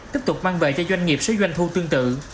tiếp tục mang về cho doanh nghiệp số doanh thu tương tự